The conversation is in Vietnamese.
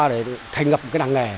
để thành ngập cái năng nghề